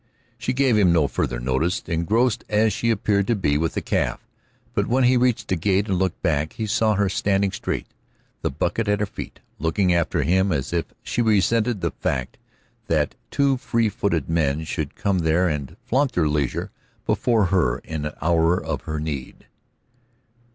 She gave him no further notice, engrossed as she appeared to be with the calf, but when he reached the gate and looked back, he saw her standing straight, the bucket at her feet, looking after him as if she resented the fact that two free footed men should come there and flaunt their leisure before her in the hour of her need.